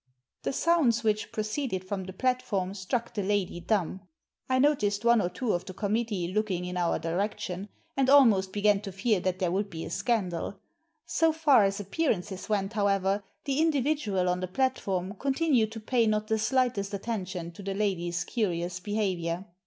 The sounds which proceeded from the platform struck the lady dumb. I noticed one or two of the committee looking in our direction, and almost b^an to fear that there would be a scandal So far as appearances went, however, the individual on the platform continued to pay not the slightest attention to the lady's curious behaviour.